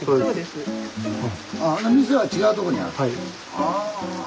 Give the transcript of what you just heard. ああ。